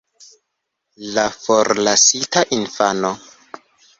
La forlasita infano.